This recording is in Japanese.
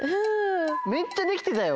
めっちゃできてたよ。